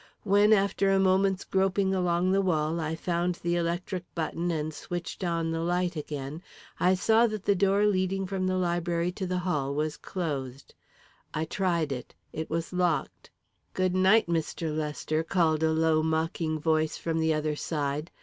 When, after a moment's groping along the wall, I found the electric button and switched on the light again, I saw that the door leading from the library to the hall was closed. I tried it it was locked. "Good night, Mr. Lester," called a low mocking voice from the other side.